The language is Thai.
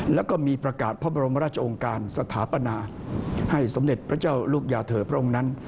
แล้วก็มีประกาศพระบรมราชองค์การสถาปนาให้สมเด็จพระเจ้าลูกยาเธอพระองค์นั้น